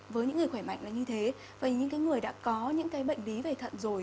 với những người khỏe mạnh là như thế những người đã có những bệnh lý về thận rồi